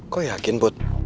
kau yakin bud